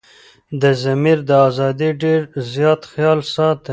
دضمير دازادي ډير زيات خيال ساتي